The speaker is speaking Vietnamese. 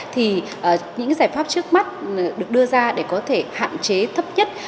thì những giải pháp trước mắt được đưa ra để có thể hạn chế thấp nhất